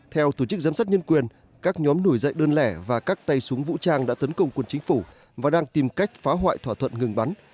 theo tổ chức giám sát nhân quyền các nhóm nổi dậy đơn lẻ và các tay súng vũ trang đã tấn công quân chính phủ và đang tìm cách phá hoại thỏa thuận ngừng bắn